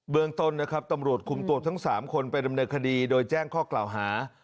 เมืองต้นนะครับตำรวจคุมตัวทั้ง๓คนไปดำเนินคดีโดยแจ้งข้อกล่าวหา